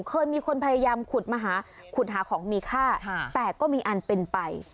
เคยมีคนพยายามขุดมาหาขุดหาของมีค่าแต่ก็มีอันเป็นไป